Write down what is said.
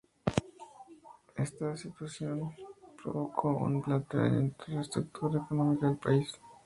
Esta situación provocó un replanteamiento de la estructura económica del país.